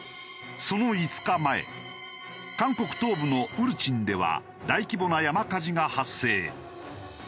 その５日前韓国東部のウルチンでは大規模な山火事が発生。